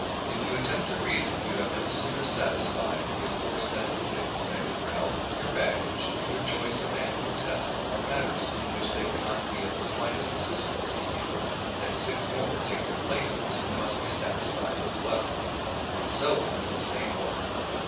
If you attempt to reason, you have no sooner satisfied the aforesaid six, that your route, your baggage, and your choice of an hotel, are matters in which they cannot be of the slightest assistance to you, than six more take their places, who must be satisfied as well; and so on in the same order.